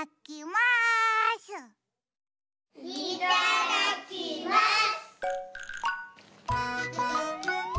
いただきます！